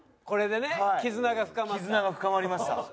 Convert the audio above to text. これでね絆が深まった。